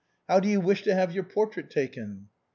" How do you wish your portrait taken